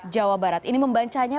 jawa barat ini membancanya